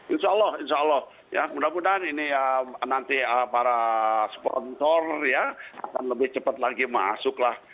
insya allah insya allah ya mudah mudahan ini ya nanti para sponsor ya akan lebih cepat lagi masuk lah